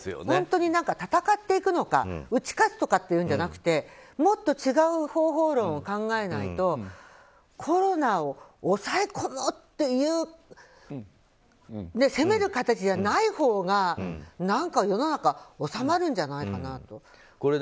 本当に戦っていくのか打ち勝つとかっていうんじゃなくてもっと違う方法論を考えないとコロナを抑え込もうっていう攻める形じゃないほうが何か世の中収まるんじゃないかなと。